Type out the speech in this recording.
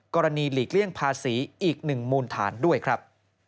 กรณีหลีกเลี่ยงภาษีอีกหนึ่งมูลฐานด้วยครับ